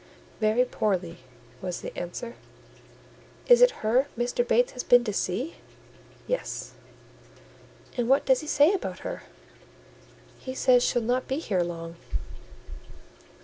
"Very poorly," was the answer. "Is it her Mr. Bates has been to see?" "Yes." "And what does he say about her?" "He says she'll not be here long."